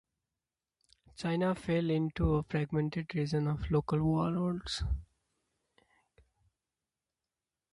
China fell into a fragmented region of local warlords.